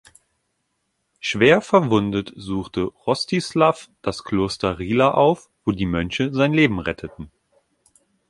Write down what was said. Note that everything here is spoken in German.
Schwer verwundet suchte Rostislaw das Kloster Rila auf, wo die Mönche sein Leben retteten.